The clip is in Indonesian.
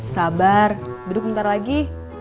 sabar duduk bentar lagi